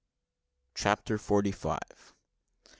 CHAPTER FORTY FIVE.